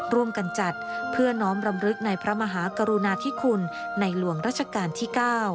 ร่วมกันจัดเพื่อน้อมรำลึกในพระมหากรุณาธิคุณในหลวงราชการที่๙